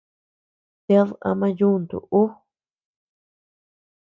Ted tama yuntu ú.